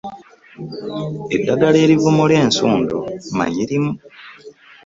Eddagala erivumula ensundo mmanyi limu.